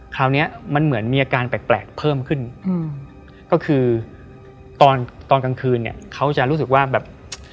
คราวนี้มันเหมือนมีอาการแปลกเพิ่มขึ้นก็คือตอนกลางคืนเขาจะรู้สึกว่าแบบ